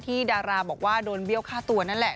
ดาราบอกว่าโดนเบี้ยวฆ่าตัวนั่นแหละ